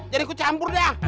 jadi aku campur dah